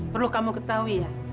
perlu kamu ketahui ya